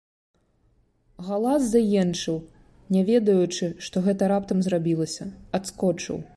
Галас заенчыў, не ведаючы, што гэта раптам зрабілася, адскочыў.